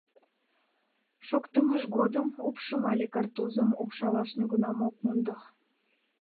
Шоктымыж годым упшым але картузым упшалаш нигунам ок мондо.